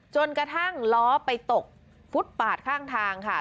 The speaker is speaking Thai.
จนกระทั่งล้อไปตกฟุตปาดข้างทางค่ะ